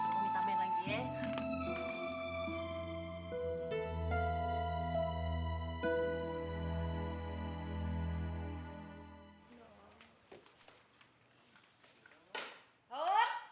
nih umi tambahin lagi ya